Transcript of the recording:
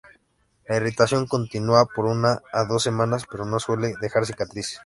La irritación continúa por una a dos semanas, pero no suele dejar cicatriz.